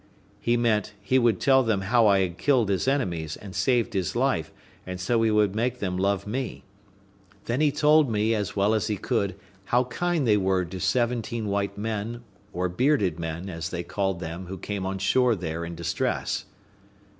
He meant, he would tell them how I had killed his enemies, and saved his life, and so he would make them love me. Then he told me, as well as he could, how kind they were to seventeen white men, or bearded men, as he called them who came on shore there in distress.